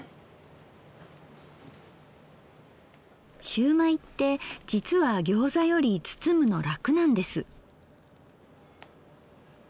しゅうまいってじつはギョーザより包むの楽なんです。